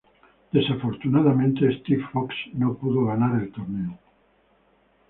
Desafortunadamente, Steve Fox no pudo ganar el torneo.